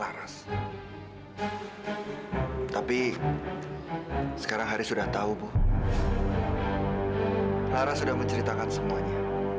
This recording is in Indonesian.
apa kamu sudah tahu semuanya